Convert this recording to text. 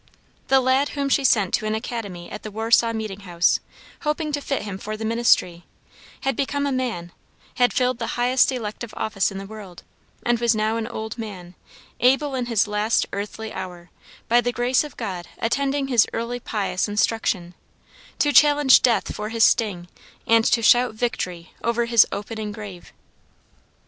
The lad whom she sent to an academy at the Warsaw meeting house, hoping to fit him for the ministry, had become a man, had filled the highest elective office in the world, and was now an old man, able in his last earthly hour, by the grace of God attending his early pious instruction, to challenge death for his sting and to shout "victory" over his opening grave.